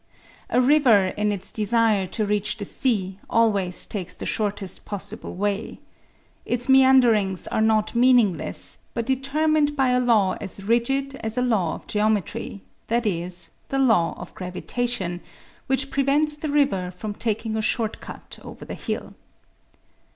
A river in its desire to reach the sea always takes the shortest possible way. Its meanderings are not meaningless but determined by a law as rigid as a law of geometry, that is, the law of gravitation which prevents the river from taking a short cut over the hill.